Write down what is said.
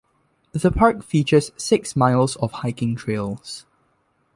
The park features six miles of hiking trails.